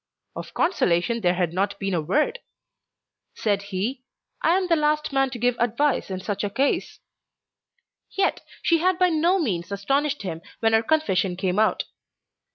Of consolation there had not been a word. Said he, "I am the last man to give advice in such a case". Yet she had by no means astonished him when her confession came out.